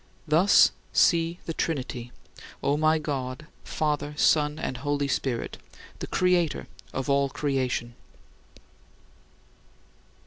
Thus, see the Trinity, O my God: Father, Son, and Holy Spirit, the Creator of all creation!